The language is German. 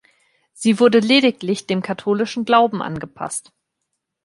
Sie wurde lediglich dem katholischen Glauben angepasst.